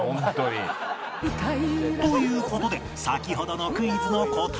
という事で先ほどのクイズの答えは